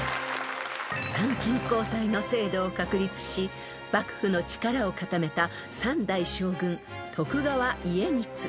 ［参勤交代の制度を確立し幕府の力を固めた３代将軍徳川家光］